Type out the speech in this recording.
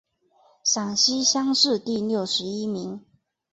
陕西乡试第六十一名。